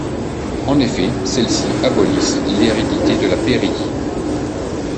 En effet celles-ci abolissent l'hérédité de la pairie.